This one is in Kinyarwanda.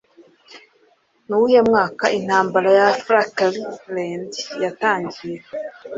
Nuwuhe mwaka Intambara ya Falklande Yatangiye